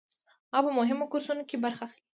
هغه په مهمو کورسونو کې برخه اخلي.